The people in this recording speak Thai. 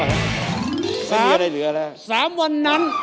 ไม่มีอะไรเหลือแล้วสามสามวันนั้น